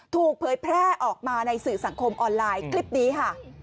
เผยแพร่ออกมาในสื่อสังคมออนไลน์คลิปนี้ค่ะ